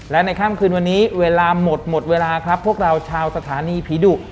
และในค่ำคืนวันนี้เวลาหมดหมดเวลาครับพวกเราชาวสถานีผีดุ